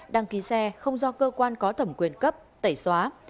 đăng ký xe không do cơ quan có thẩm quyền cấp tẩy xóa